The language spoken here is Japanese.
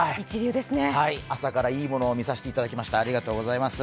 朝からいいものを見させていただきました。